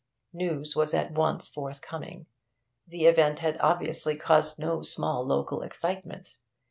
News was at once forthcoming; the event had obviously caused no small local excitement.